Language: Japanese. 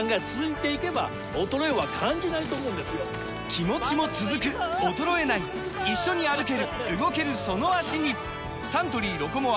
気持ちも続く衰えない一緒に歩ける動けるその脚にサントリー「ロコモア」！